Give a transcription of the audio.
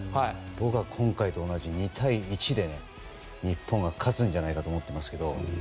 僕は今回と同じ２対１で日本が勝つんじゃないかと思ってますけど。